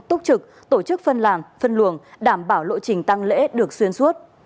túc trực tổ chức phân làng phân luồng đảm bảo lộ trình tăng lễ được xuyên suốt